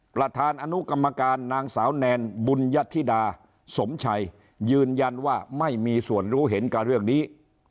ประธานอนุกรรมการนางสาวแนนบุญยธิดาสมชัยยืนยันว่าไม่มีส่วนรู้เห็นกับเรื่องนี้